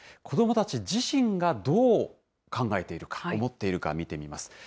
子どもたち自身がどう考えているか、思っているか、見てみます。